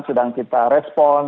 sedang kita respon